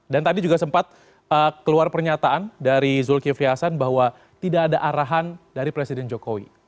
dan tadi juga sempat keluar pernyataan dari zulkifri hasan bahwa tidak ada arahan dari presiden jokowi